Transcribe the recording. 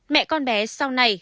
mẹ con bé sau này